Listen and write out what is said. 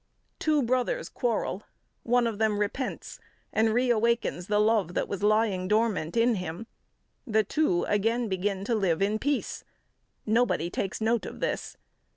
Two brothers quarrel: one of them repents and re awakens the love that was lying dormant in him; the two again begin to live in peace: nobody takes note of this.